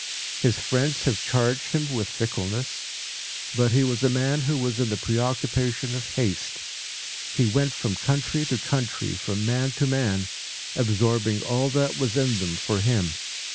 His friends have charged him with fickleness, but he was a man who was in the preoccupation of haste. He went from country to country, from man to man, absorbing all that was in them for him.